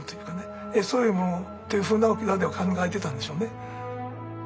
そういうものというふうな沖縄では考えてたんでしょうね。